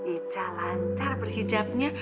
ica lancar berhijabnya